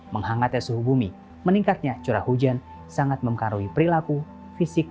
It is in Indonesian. menghangatnya suhu bumi meningkatnya curah hujan sangat mempengaruhi perilaku fisik